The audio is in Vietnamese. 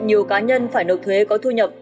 nhiều cá nhân phải nộp thuế có thu nhập